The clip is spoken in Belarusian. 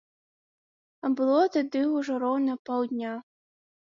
А было тады ўжо роўна паўдня.